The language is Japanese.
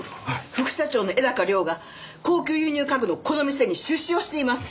副社長の絵高良が高級輸入家具のこの店に出資をしています。